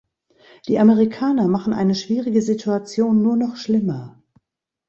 Die Amerikaner machen eine schwierige Situation nur noch schlimmer.